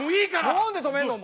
何で止めんのお前。